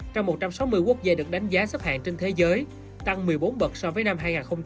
trong một trăm sáu mươi quốc gia được đánh giá xếp hạng trên thế giới tăng một mươi bốn bậc so với năm hai nghìn một mươi